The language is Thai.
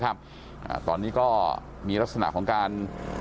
ความปลอดภัยของนายอภิรักษ์และครอบครัวด้วยซ้ำ